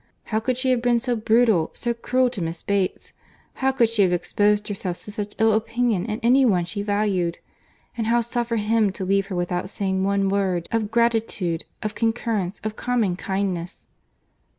How could she have been so brutal, so cruel to Miss Bates! How could she have exposed herself to such ill opinion in any one she valued! And how suffer him to leave her without saying one word of gratitude, of concurrence, of common kindness!